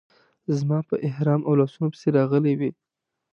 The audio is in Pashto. زما په احرام او لاسونو پسې راغلې وې.